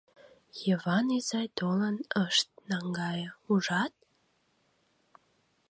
Йыван изай толын ыш наҥгае, ужат!